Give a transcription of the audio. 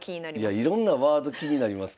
いやいろんなワード気になりますけどねえ。